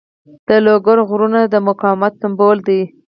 د لوګر غرونه د مقاومت سمبول دي.